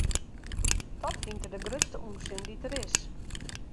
Dat fynt er de grutste ûnsin dy't der is.